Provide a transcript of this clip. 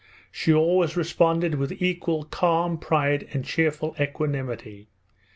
She always responded with equal calm, pride, and cheerful equanimity.